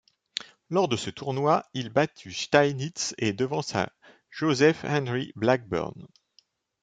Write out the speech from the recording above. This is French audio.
Lors de ce tournoi, il battit Steinitz et devança Joseph Henry Blackburne.